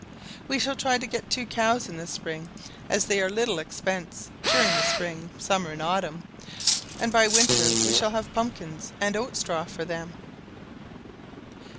We shall try to get two cows in the spring, as they are little expense during the spring, summer, and autumn; and by the winter we shall have pumpkins and oat straw for them.